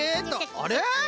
あれ！